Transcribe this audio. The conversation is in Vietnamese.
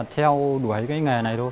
theo đuổi cái nghề này thôi